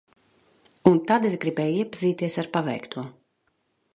Un tad es gribēju iepazīties ar paveikto.